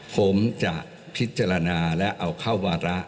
ผมจะพิจารณาและเอาเข้าวาระ